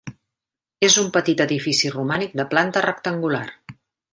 És un petit edifici romànic de planta rectangular.